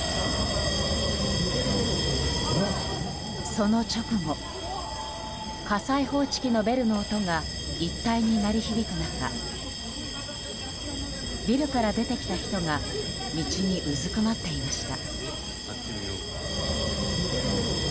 その直後火災報知機のベルの音が一帯に鳴り響く中ビルから出てきた人が道にうずくまっていました。